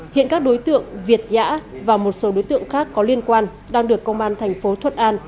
hiện các đối tượng việt giã và một số đối tượng khác có liên quan đang được công an thành phố thuận an